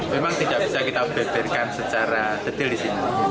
memang tidak bisa kita membeberkan secara detail di sini